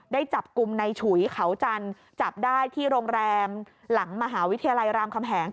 ได้จับกลุ่มในฉุยเขาจันทร์จับได้ที่โรงแรมหลังมหาวิทยาลัยรามคำแหง